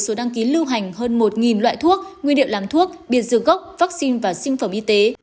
số đăng ký lưu hành hơn một loại thuốc nguyên liệu làm thuốc biệt dược gốc vaccine và sinh phẩm y tế